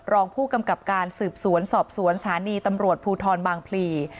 รองผู้กำกับการสืบสวนสอบสวนสถานีตำรวจภูทรบางพลี